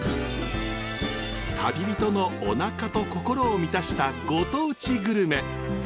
旅人のおなかと心を満たしたご当地グルメ。